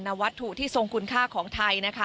นวัตถุที่ทรงคุณค่าของไทย